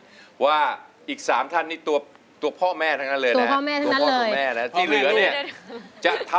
ผสมไปให้กับอีก๖ท่านในอาทิตย์โน้นเท่าไหร่